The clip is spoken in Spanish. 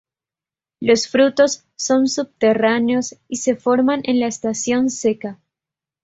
Los frutos son subterráneos y se forman en la estación seca.